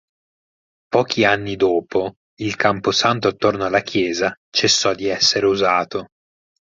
Pochi anni dopo il camposanto attorno alla chiesa cessò di essere usato.